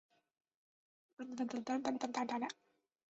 长居陆上竞技场也是举办演唱会的热门场地。